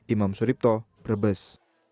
imam suripto brebes